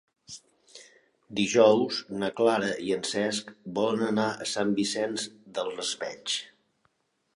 Dijous na Clara i en Cesc volen anar a Sant Vicent del Raspeig.